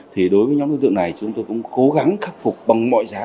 thì đối với nhóm đối tượng này chúng tôi cũng cố gắng khắc phục bằng mọi giá